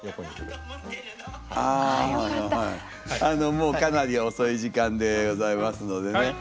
もうかなり遅い時間でございますのでね